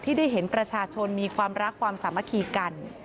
ได้เห็นประชาชนมีความรักความสามัคคีกัน